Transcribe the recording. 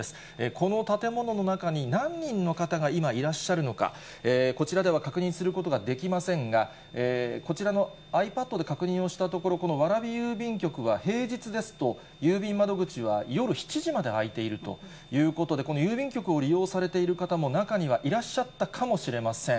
この建物の中に何人の方が今いらっしゃるのか、こちらでは確認することができませんが、こちらのｉＰａｄで確認をしたところ、この蕨郵便局は平日ですと、郵便窓口は夜７時まで開いているということで、この郵便局を利用されている方も中にはいらっしゃったかもしれません。